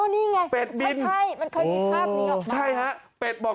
นี่ไงใช่มันเคยมีภาพนี้ออกมาแล้วเป็ดบอก